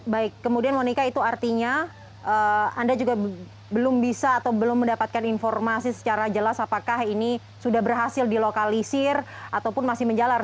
baik kemudian monika itu artinya anda juga belum bisa atau belum mendapatkan informasi secara jelas apakah ini sudah berhasil dilokalisir ataupun masih menjalar